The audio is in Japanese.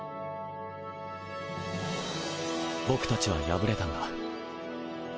僕たちは敗れたんだ